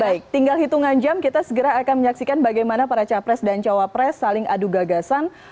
baik tinggal hitungan jam kita segera akan menyaksikan bagaimana para capres dan cawapres saling adu gagasan